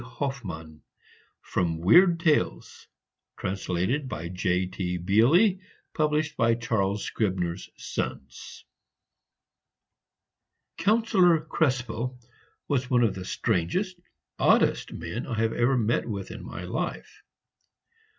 HOFFMANN From "Weird Tales," translated by J.T. Beally. Published by Charles Scribner's Sons. Councillor Krespel was one of the strangest, oddest men I ever met with in my life.